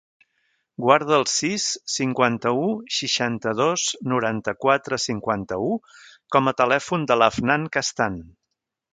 Guarda el sis, cinquanta-u, seixanta-dos, noranta-quatre, cinquanta-u com a telèfon de l'Afnan Castan.